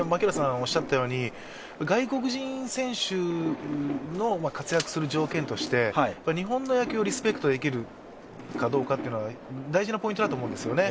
おっしゃったように、外国人選手の活躍する条件として、日本の野球をリスペクトできるかどうかは大事なポイントだと思うんですよね。